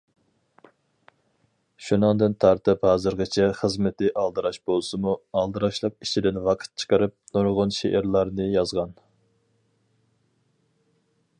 شۇنىڭدىن تارتىپ ھازىرغىچە خىزمىتى ئالدىراش بولسىمۇ، ئالدىراشلىق ئىچىدىن ۋاقىت چىقىرىپ، نۇرغۇن شېئىرلارنى يازغان.